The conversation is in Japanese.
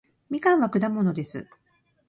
みかんは果物です